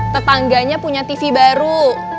tetangganya punya tv baru